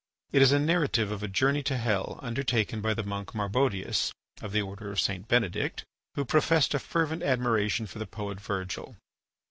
It is a narrative of a journey to hell undertaken by the monk Marbodius, of the order of St. Benedict, who professed a fervent admiration for the poet Virgil.